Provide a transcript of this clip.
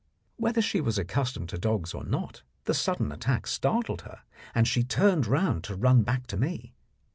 Whether she was accustomed to dogs or not, the sudden attack startled her, and she turned round to run back to me.